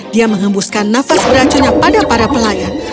dia menghembuskan nafas beracunnya pada para pelayan